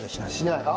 しない？